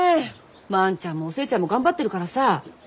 万ちゃんもお寿恵ちゃんも頑張ってるからさ。